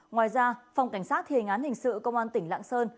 ngoài ra phòng cảnh sát thì hình án hình sự công an tỉnh lạng sơn